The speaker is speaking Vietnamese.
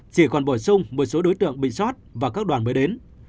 chỉ còn bổ sung một số đối tượng bị sót và các đoàn mới đến